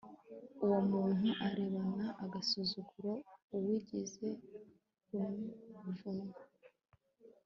uwo muntu arebana agasuzuguro uwigize ruvumwa